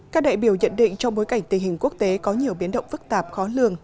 các đại biểu nhận định trong bối cảnh tình hình quốc tế có nhiều biến động phức tạp khó lường